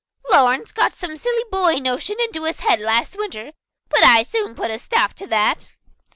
Lawrence got some silly boy notion into his head last winter, but I soon put a stop to that."